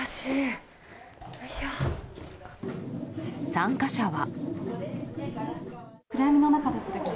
参加者は。